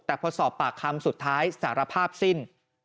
แต่พอสอบปากคำสุดท้ายสารภาพสิ้น